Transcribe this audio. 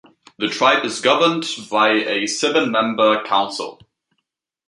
The tribe is governed by a seven-member council.